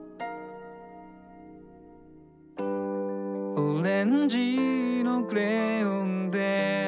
「オレンジのクレヨンで」